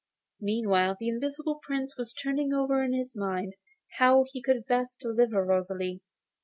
Meanwhile the Invisible Prince was turning over in his mind how he could best deliver Rosalie.